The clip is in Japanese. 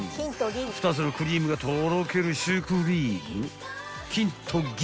［２つのクリームがとろけるシュークリーム金と銀］